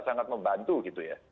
sangat membantu gitu ya